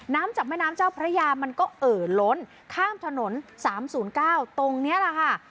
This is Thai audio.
จากแม่น้ำเจ้าพระยามันก็เอ่อล้นข้ามถนน๓๐๙ตรงนี้แหละค่ะ